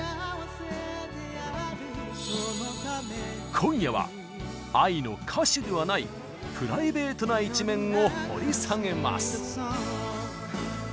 今夜はＡＩの歌手ではないプライベートな一面を掘り下げます！